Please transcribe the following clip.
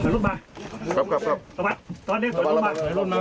เดี๋ยวดูภาพตรงนี้หน่อยนะฮะเพราะว่าทีมขาวของเราไปเจอตัวในแหบแล้วจับได้พอดีเลยนะฮะ